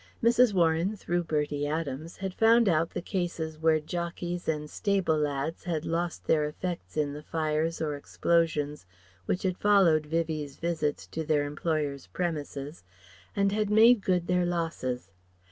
Mrs. Warren through Bertie Adams had found out the cases where jockeys and stable lads had lost their effects in the fires or explosions which had followed Vivie's visits to their employers' premises, and had made good their losses.